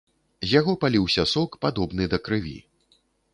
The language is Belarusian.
З яго паліўся сок, падобны да крыві.